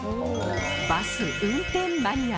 「バス運転マニア」。